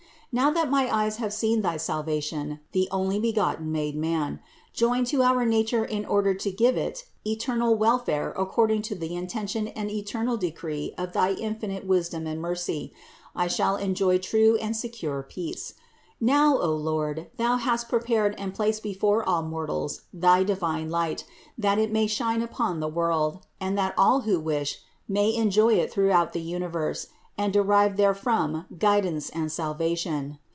Now that my eyes have seen thy salvation, the Onlybegotten made man, joined to our nature in order to give it eternal wel fare according to the intention and eternal decree of thy infinite wisdom and mercy, I shall enjoy true and secure peace. Now, O Lord, Thou hast prepared and placed before all mortals thy divine light that it may shine upon the world and that all who wish may enjoy it through out the universe and derive therefrom guidance and sal vation.